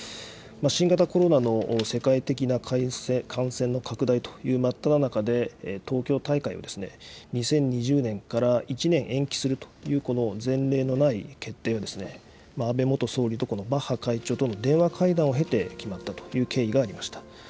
新型コロナの世界的な感染の拡大という真っただ中で、東京大会を２０２０年から１年延期するという、この前例のない決定を、安倍元総理とこのバッハ会長との電話会談を経て決まったという経緯がありました。